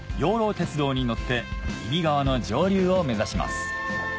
鉄道に乗って揖斐川の上流を目指します